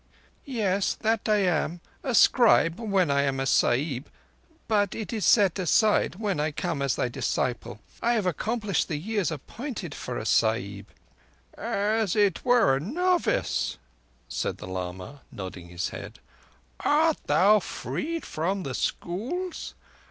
"Yes, that am I—a scribe, when I am a Sahib, but it is set aside when I come as thy disciple. I have accomplished the years appointed for a Sahib." "As it were a novice?" said the lama, nodding his head. "Art thou freed from the schools?